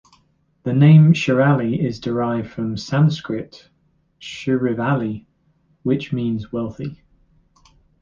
The name "Shirali" is derived from Sanskrit "Shrivalli", which means "wealthy".